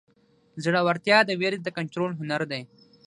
زړهورتیا د وېرې د کنټرول هنر دی.